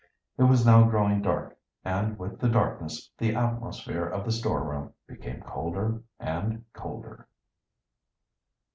It was now growing dark, and with the darkness the atmosphere of the storeroom became colder and colder.